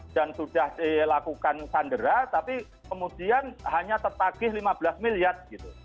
dan sudah dilakukan sandera tapi kemudian hanya tertagih lima belas miliar gitu